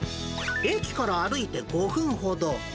駅から歩いて５分ほど。